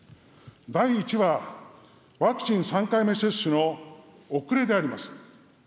第１は、ワクチン３回目接種の遅れであります。